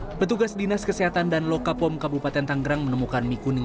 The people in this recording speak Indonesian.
hai petugas dinas kesehatan dan lokapom kabupaten tanggerang menemukan mie kuning